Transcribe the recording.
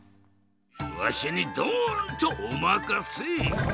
わしにドンとおまかせ！